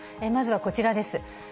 まずはこちらです。